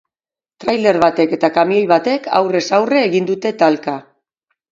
Trailer batek eta kamioi batek aurrez aurre egin dute talka.